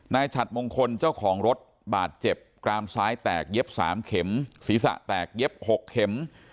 ฉัดมงคลเจ้าของรถบาดเจ็บกรามซ้ายแตกเย็บ๓เข็มศีรษะแตกเย็บ๖เข็ม